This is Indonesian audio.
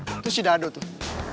itu si dado tuh